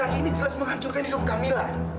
kamila ini jelas menghancurkan hidup kamila